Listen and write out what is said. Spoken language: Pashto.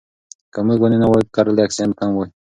که موږ ونې نه وای کرلې اکسیجن به کم وای.